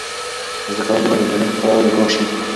زده کوونکي باید د انټرنیټ په کارولو پوه سي.